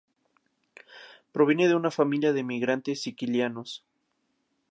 Proviene de una familia de emigrantes sicilianos.